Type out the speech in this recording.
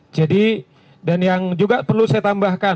jadi dan yang juga perlu saya tambahkan